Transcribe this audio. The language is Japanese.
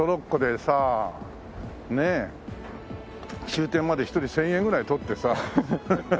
終点まで一人１０００円ぐらい取ってさ。